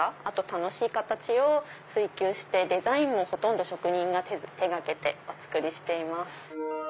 あと楽しい形を追求してデザインもほとんど職人が手掛けてお作りしています。